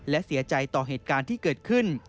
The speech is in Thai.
และเสียใจต่อเหตุการณ์ที่เกิดขึ้น